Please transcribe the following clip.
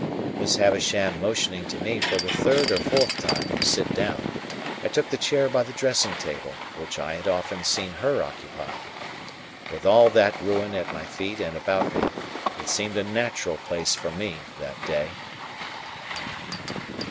Miss Havisham motioning to me for the third or fourth time to sit down, I took the chair by the dressing table, which I had often seen her occupy. With all that ruin at my feet and about me, it seemed a natural place for me, that day.